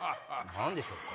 何でしょうか？